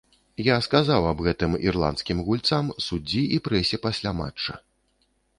Я сказаў аб гэтым ірландскім гульцам, суддзі і прэсе пасля матча.